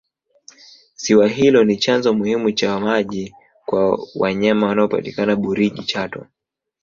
ziwa hilo ni chanzo muhimu cha maji kwa wanyama wanaopatikana burigi chato